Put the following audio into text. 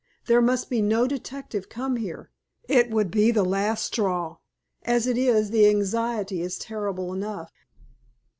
"There must be no detective come here. It would be the last straw. As it is, the anxiety is terrible enough."